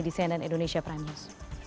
di cnn indonesia prime news